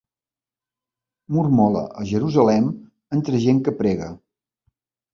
Mormola a Jerusalem, entre gent que prega.